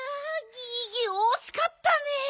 ギギおしかったねえ。